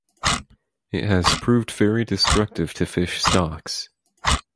It has proved very destructive to fish stocks.